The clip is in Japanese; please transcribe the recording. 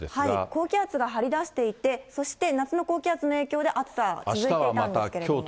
高気圧が張り出していて、そして夏の高気圧の影響で、暑さは続いていたんですけれども。